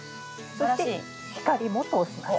そして光も通します。